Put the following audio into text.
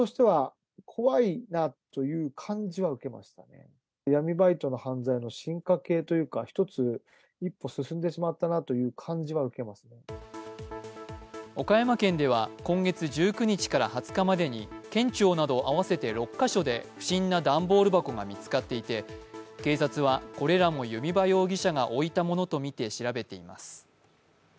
専門家は岡山県では今月１９日から２０日までに県庁など合わせて６か所で不審な段ボール箱が見つかっていて警察は、これらも弓場容疑者が置いたものとみて調べています。